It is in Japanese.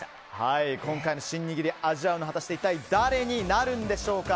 今回のシン握り、味わうのは果たして一体誰になるのでしょうか。